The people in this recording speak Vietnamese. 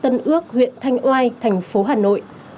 tân ước huyện thanh oai thành phố hà nội